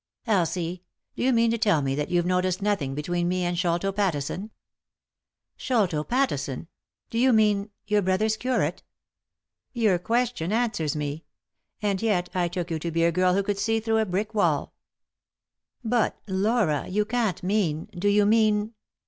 " Elsie, do you mean to tell me that you've noticed nothing between me and Sholto Pattisou ?"" Sholto Pattison ? Do you mean — your brother's curate?" "Your question answers me. And yet I took you to be a girl who could see through a brick wall." n6 ;«y?e.c.V GOOglC THE INTERRUPTED KISS "But, Laura, you can't mean— do you mean